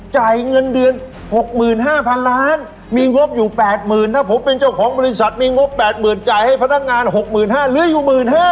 จ่ายเงินเดือน๖๕๐๐๐ล้านมีงบอยู่๘๐๐๐ถ้าผมเป็นเจ้าของบริษัทมีงบ๘๐๐๐จ่ายให้พนักงาน๖๕๐๐เหลืออยู่๑๕๐๐